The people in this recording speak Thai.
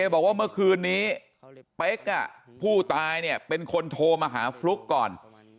บอกว่าเมื่อคืนนี้เป๊กผู้ตายเป็นคนโทรมาหาฟลุ๊กก่อน